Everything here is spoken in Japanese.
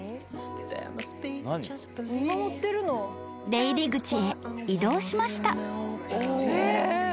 ［出入り口へ移動しました］